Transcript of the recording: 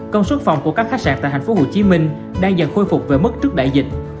công suất phòng của các khách sạn tại thành phố hồ chí minh đang dần khôi phục về mức trước đại dịch